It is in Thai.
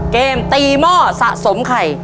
เกมตีหม้อสะสมไข่